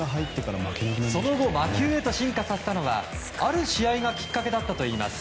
その後、魔球へと進化させたのはある試合がきっかけだったといいます。